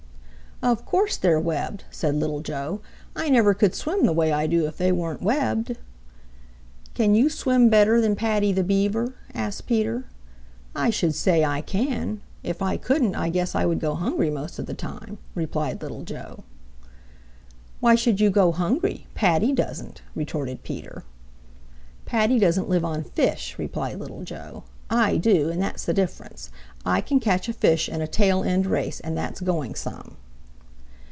"Of course they're webbed," said Little Joe. "I never could swim the way I do if they weren't webbed." "Can you swim better than Paddy the Beaver?" asked Peter. "I should say I can. If I couldn't, I guess I would go hungry most of the time," replied Little Joe. "Why should you go hungry? Paddy doesn't," retorted Peter. "Paddy doesn't live on fish," replied Little Joe. "I do and that's the difference. I can catch a fish in a tail end race, and that's going some."